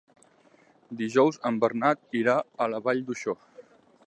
Dijous en Bernat irà a la Vall d'Uixó.